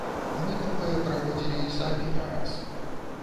Мы такое праходзілі і самі не раз.